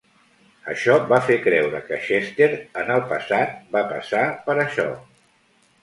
Això va fer creure que Chester, en el passat, va passar per això.